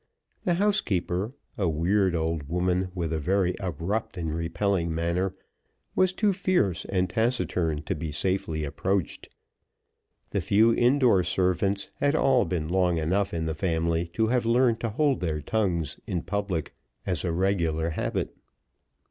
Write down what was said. The housekeeper, a weird old woman, with a very abrupt and repelling manner, was too fierce and taciturn to be safely approached. The few indoor servants had all been long enough in the family to have learned to hold their tongues in public as a regular habit.